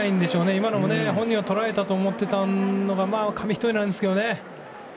今のも本人は捉えたと思っていたのが紙一重なんですけどね。